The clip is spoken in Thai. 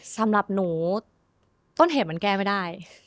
สำหรับหนูต้นเหตุมันแก้ไม่ได้